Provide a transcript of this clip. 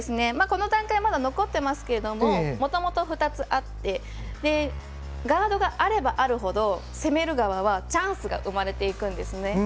この段階ではまだ残っていますがもともと２つあってガードがあればあるほど攻める側はチャンスが生まれるんです。